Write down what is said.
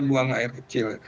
buang air kecil